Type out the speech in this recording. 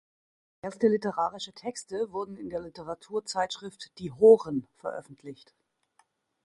Erste literarische Texte wurden in der Literaturzeitschrift die horen veröffentlicht.